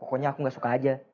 pokoknya aku gak suka aja